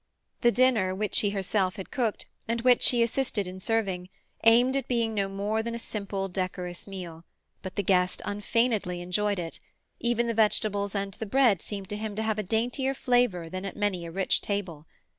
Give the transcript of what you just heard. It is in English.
The dinner, which she herself had cooked, and which she assisted in serving, aimed at being no more than a simple, decorous meal, but the guest unfeignedly enjoyed it; even the vegetables and the bread seemed to him to have a daintier flavour than at many a rich table.